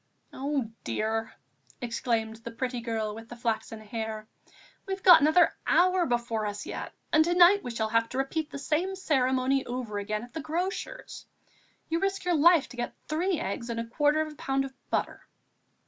"Oh, dear!" exclaimed the pretty girl with the flaxen hair, "we've got another hour before us yet, and to night we shall have to repeat the same ceremony over again at the grocer's. You risk your life to get three eggs and a quarter of a pound of butter."